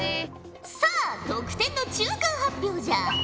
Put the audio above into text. さあ得点の中間発表じゃ。